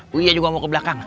buya juga mau ke belakang